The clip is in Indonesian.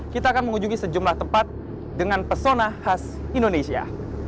kita akan mengunjungi sejumlah tempat dengan pesona khas indonesia